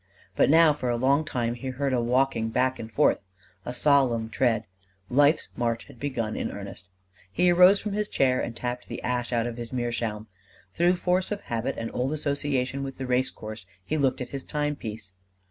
But now for a long time he heard a walking back and forth, a solemn tread: life's march had begun in earnest. He rose from his chair and tapped the ash out of his meerschaum. Through force of habit and old association with the race course he looked at his timepiece.